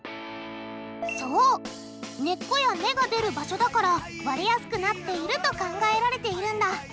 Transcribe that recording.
そう根っこや芽が出る場所だから割れやすくなっていると考えられているんだ。